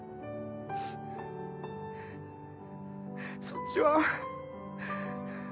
そっちは？